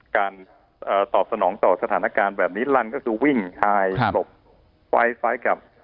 การตอบสนองต่อสถานการณ์แบบนี้ลันก็คือวิ่งหายหลบไฟล์ไฟล์กับ